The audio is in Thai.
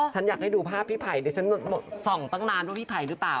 ฉันอยากให้ดูภาพพี่ไผ่ดิฉันส่องตั้งนานว่าพี่ไผ่หรือเปล่า